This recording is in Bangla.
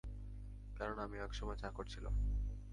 কারণ, আমিও একসময় চাকর ছিলাম।